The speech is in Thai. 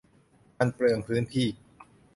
มันเปลืองพื้นที่